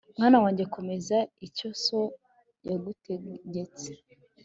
Mwana wanjye komeza icyo so yagutegetse